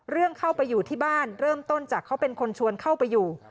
เรื่องเข้าไปอยู่ที่บ้านเริ่มต้นจากเขาเป็นคนชวนเข้าไปอยู่